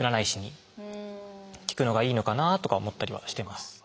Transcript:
聞くのがいいのかなとか思ったりはしてます。